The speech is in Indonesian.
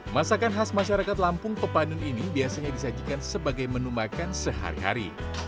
masakan khas masyarakat lampung pepanun ini biasanya disajikan sebagai menu makan sehari hari